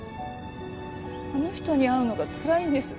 あの人に会うのがつらいんです。